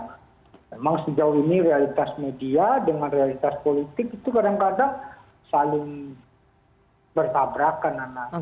memang sejauh ini realitas media dengan realitas politik itu kadang kadang saling bertabrakan nana